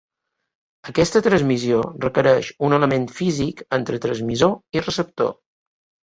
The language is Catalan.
Aquesta transmissió requereix un element físic entre transmissor i receptor.